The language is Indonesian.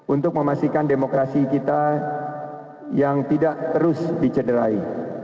untuk memastikan demokrasi kita yang tidak terus dicederai